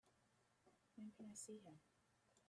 When can I see him?